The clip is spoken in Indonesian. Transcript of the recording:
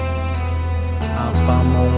apa mau ngambil perempuan orang